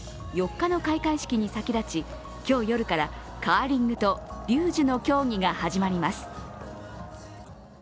４日の開会式に先立ち、今日夜からカーリングとリュージュの競技が始まります。